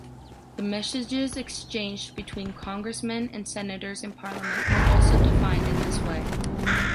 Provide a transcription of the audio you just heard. The messages exchanged between congressmen and senators in parliament were also defined in this way.